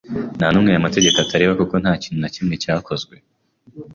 Nta n’umwe aya mategeko atareba; kuko nta kintu na kimwe cyakozwe